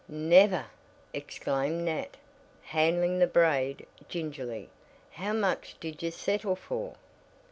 "Never!" exclaimed Nat, handling the braid gingerly. "How much did you settle for?"